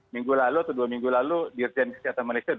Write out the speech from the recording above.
minggu lalu atau dua minggu lalu dirjen kesehatan malaysia